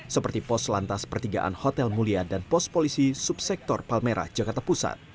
seperti pos lantas pertigaan hotel mulia dan pos polisi subsektor palmerah jakarta pusat